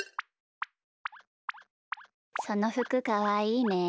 そのふくかわいいね。